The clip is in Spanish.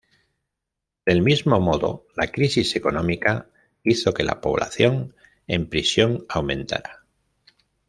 Del mismo modo, la crisis económica hizo que la población en prisión aumentara.